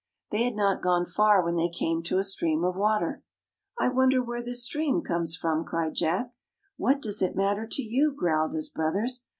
They had not gone far when they came to a stream of water. " I wonder where this stream comes from! " cried Jack. " What does it matter to you? " growled his brothers.